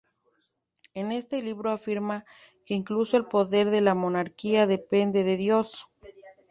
En este libro, afirma que incluso el poder de la monarquía depende de Dios.